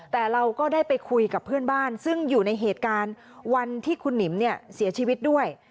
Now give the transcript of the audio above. แต่เราก็ได้ไปคุยกับเพื่อนบ้านซึ่งอยู่ในเหตุการณ์วันที่คุณหนิมเนี่ยเสียชีวิตด้วย